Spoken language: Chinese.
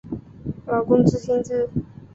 劳工之薪资